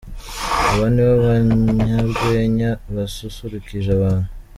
Aba ni bo banyarwenya basusurukije abantu.